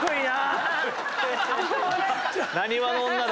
浪速の女だ。